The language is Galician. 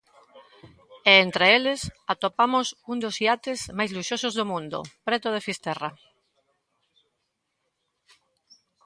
E entre eles atopamos un dos iates máis luxosos do mundo, preto de Fisterra.